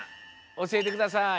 おしえてください！